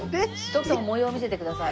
徳さんも模様見せてください。